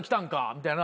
みたいな。